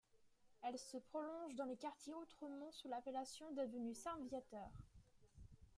Elle se prolonge dans le quartier Outremont sous l'appellation d'avenue Saint-Viateur.